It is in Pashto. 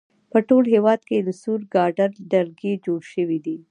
په ټول هېواد کې د سور ګارډ ډلګۍ جوړې شوې.